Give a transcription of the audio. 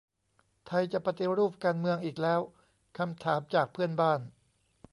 "ไทยจะปฏิรูปการเมือง อีกแล้ว ?" คำถามจากเพื่อนบ้าน